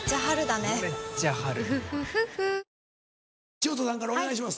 潮田さんからお願いします。